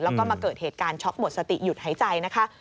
แล้วก็มาเกิดเหตุการณ์ช็อกหมดสติหยุดหายใจนะคะ